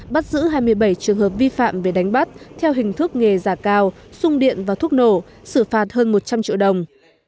bắt giữ hai mươi bảy trường hợp vi phạm về đánh bắt theo hình thức nghề giả cao sung điện và thuốc nổ xử phạt hơn một trăm linh triệu đồng